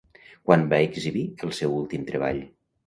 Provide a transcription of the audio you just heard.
Quan va exhibir el seu últim treball?